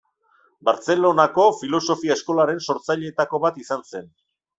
Bartzelonako Filosofia Eskolaren sortzaileetako bat izan zen.